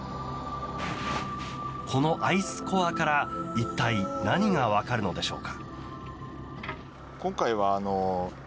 このアイスコアから一体、何が分かるのでしょうか。